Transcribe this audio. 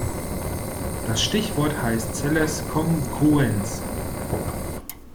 Das Stichwort heißt Zellers Kongruenz.